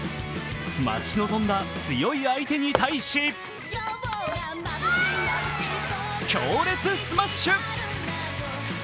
待ち望んだ強い相手に対し強烈スマッシュ。